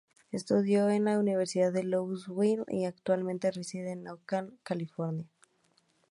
Estudió en la Universidad de Louisville y actualmente reside en Oakland, California.